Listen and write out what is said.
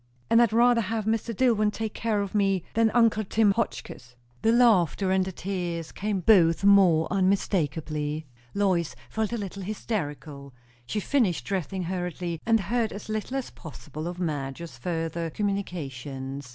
"And I'd rather have Mr. Dillwyn take care of me than uncle Tim Hotchkiss." The laughter and the tears came both more unmistakeably. Lois felt a little hysterical. She finished dressing hurriedly, and heard as little as possible of Madge's further communications.